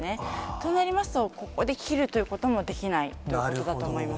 となりますと、ここで切るということもできないということだと思います。